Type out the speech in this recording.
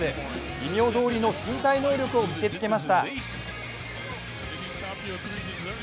異名どおりの身体能力を見せつけました。